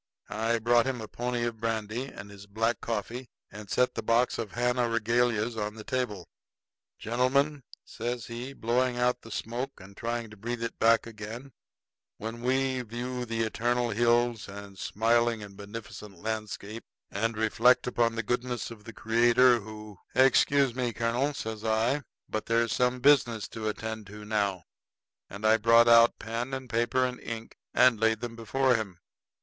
I brought him a pony of brandy and his black coffee, and set the box of Havana regalias on the table. "Gentlemen," says he, blowing out the smoke and trying to breathe it back again, "when we view the eternal hills and the smiling and beneficent landscape, and reflect upon the goodness of the Creator who " "Excuse me, colonel," says I, "but there's some business to attend to now"; and I brought out paper and pen and ink and laid 'em before him.